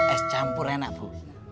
es campur enak bu